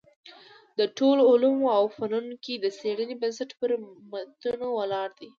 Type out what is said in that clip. د ټولو علومو او فنونو کي د څېړنو بنسټ پر متونو ولاړ دﺉ.